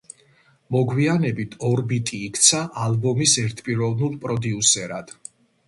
მოგვიანებით ორბიტი იქცა ალბომის ერთპიროვნულ პროდიუსერად.